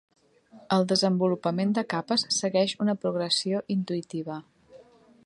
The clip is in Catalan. El desenvolupament de capes segueix una progressió intuïtiva.